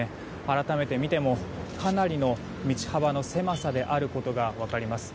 改めて見てもかなりの道幅の狭さであることが分かります。